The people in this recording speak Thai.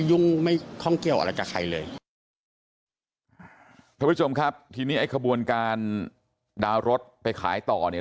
ทุกผู้ชมครับทีนี้ไอ้ขบวนการดาวรถไปขายต่อเนี่ย